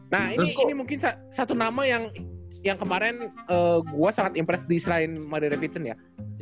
nah ini mungkin satu nama yang kemarin gue sangat impress di israel maria repitian ya